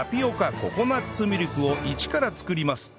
ココナッツミルクを一から作ります